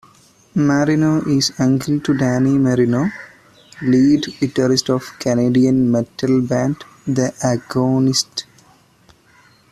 Marino is uncle to Danny Marino, lead guitarist of Canadian metal band The Agonist.